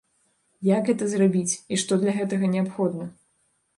Як гэта зрабіць і што для гэтага неабходна?